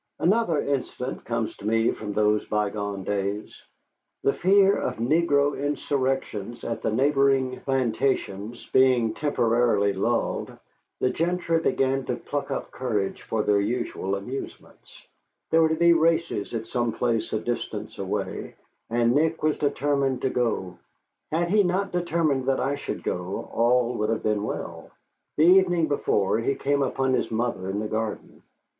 Another incident comes to me from those bygone days. The fear of negro insurrections at the neighboring plantations being temporarily lulled, the gentry began to pluck up courage for their usual amusements. There were to be races at some place a distance away, and Nick was determined to go. Had he not determined that I should go, all would have been well. The evening before he came upon his mother in the garden.